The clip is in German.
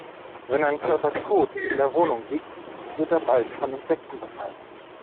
Wenn ein Körper tot in der Wohnung liegt, wird er bald von Insekten befallen.